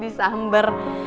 terlisa berorang lagi